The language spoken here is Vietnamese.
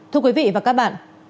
thưa quý vị và các bạn